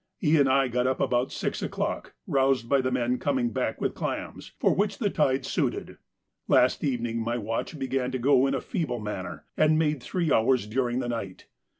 E. and I got up about six o'clock, roused by the men coming back with clams, for which the tide suited. Last evening my watch began to go in a feeble manner and made three hours during the night.